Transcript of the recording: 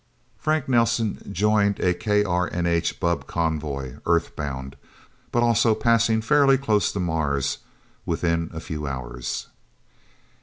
Frank Nelsen joined a KRNH bubb convoy Earthbound, but also passing fairly close to Mars within a few hours.